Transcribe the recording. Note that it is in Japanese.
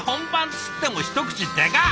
つっても一口でかっ！